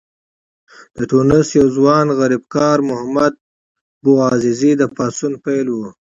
د ټونس یو ځوان غریبکار محمد بوعزیزي د پاڅون پیل و.